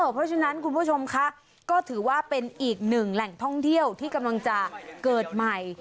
เพราะฉะนั้นคุณผู้ชมคะก็ถือว่าเป็นอีกหนึ่งแหล่งท่องเที่ยวที่กำลังจะเกิดใหม่